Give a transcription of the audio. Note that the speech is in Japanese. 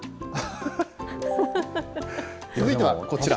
続いてはこちら。